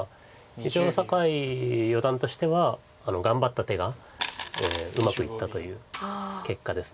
一応酒井四段としては頑張った手がうまくいったという結果です。